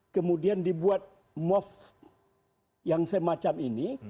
kemudian dibuat move yang semacam ini